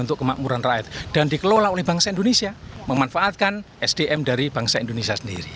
untuk kemakmuran rakyat dan dikelola oleh bangsa indonesia memanfaatkan sdm dari bangsa indonesia sendiri